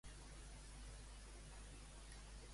Quina única opció tenia, Twitter, fins ara?